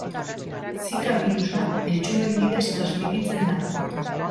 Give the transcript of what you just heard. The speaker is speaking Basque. Zika birusa eltxoen bidez transmititzen da.